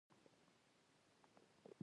هندوانه شنه پوستکی لري.